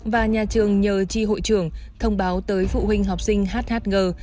và nhà trường nhờ chi hội trưởng thông báo tới phụ huynh học sinh hhg